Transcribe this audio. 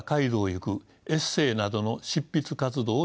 エッセーなどの執筆活動を続けていきます。